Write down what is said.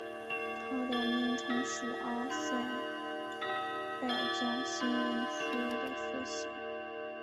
它的名称是阿塞拜疆新闻服务的缩写。